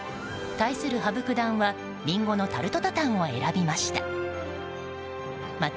対する羽生九段はリンゴのタルトタタンを選びました。